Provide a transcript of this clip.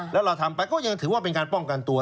แล้วเราทำไปก็ยังถือว่าเป็นการป้องกันตัว